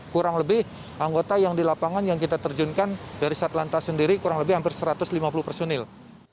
kurang lebih anggota yang di lapangan yang kita terjunkan dari satlantas sendiri kurang lebih hampir satu ratus lima puluh personil